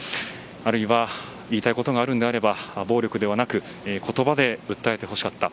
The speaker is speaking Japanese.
あるいは、言いたいことがあるのなら暴力ではなく言葉で訴えてほしかった。